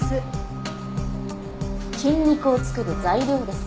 菌肉を作る材料です。